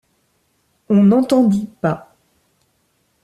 On n’entendit pas.